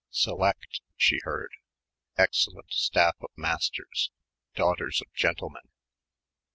"Select," she heard, "excellent staff of masters ... daughters of gentlemen."